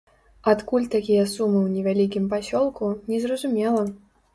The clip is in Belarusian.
Адкуль такія сумы ў невялікім пасёлку, незразумела!